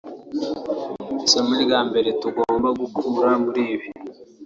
“Isomo rya mbere tugomba gukura muri ibi